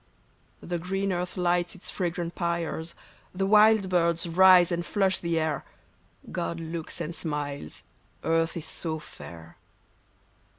The green earth lights its fragrant pyres ; The wild birds rise and flush the air ; God looks and smiles, earth is so fair.